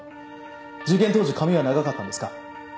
事件当時髪は長かったんですか？